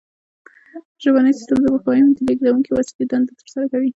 ژبنی سیستم د مفاهیمو د لیږدونکې وسیلې دنده ترسره کوي